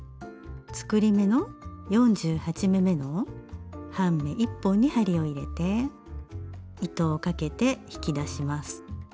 作り目の４８目めの半目１本に針を入れて糸をかけて引き出します。